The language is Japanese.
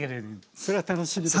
それは楽しみですね。